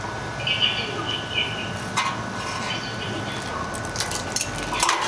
No se conoce su genealogía ni su lugar de nacimiento.